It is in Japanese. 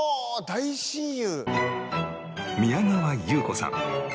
大親友。